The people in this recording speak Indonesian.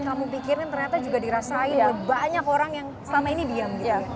saya pikirkan ternyata juga dirasakan banyak orang yang selama ini diam